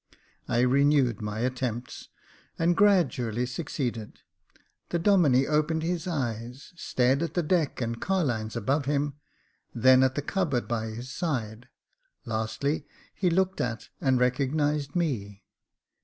I renewed my attempts, and gradually succeeded. The Domine opened his eyes, stared at the deck and carlines above him, then at the cupboard by his side ; lastly, he looked at and recognised me.